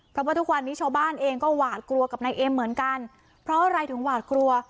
เพราะว่าทุกวันนี้ชาวบ้านเองก็หวาดกลัวกับนายเอ็มเหมือนกันเพราะอะไรถึงหวาดกลัว